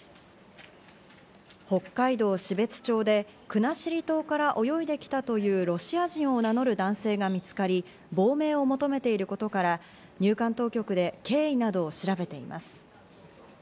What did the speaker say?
北海道標津町で国後島から泳いできたというロシア人を名乗る男性が見つかり、亡命を求めていることから、入管当局で経緯などを調べています。